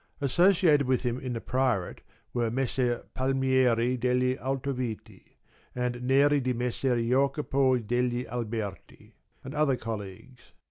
Associated with him in the Priorate were Messer Palmieri degli Altoviti and Neri di Messer Jacopo degli Alberti, and other colleagues.